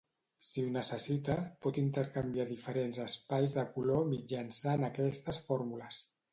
Si ho necessita, pot intercanviar diferents espais de color mitjançant aquestes fórmules.